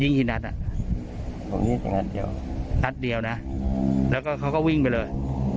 ยิงทีนัดนัดเดียวนะแล้วก็เขาวิ่งไปเลย